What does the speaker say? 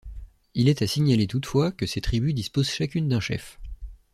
Il est à signaler toutefois que ces tribus disposent chacune d'un chef.